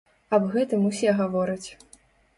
Аб гэтым усе гавораць.